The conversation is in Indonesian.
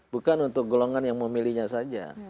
bukan untuk golongan yang memilihnya saja